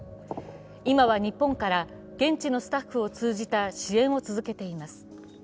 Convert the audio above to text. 今は日本から現地のスタッフを通じた支援を続けています。